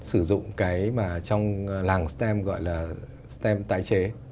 sử dụng cái mà trong làng stem gọi là stem tái chế